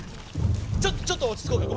ちょちょっと落ち着こうか。